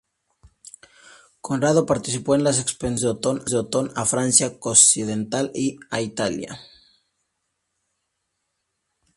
Conrado participó en las expediciones de Otón a Francia Occidental y a Italia.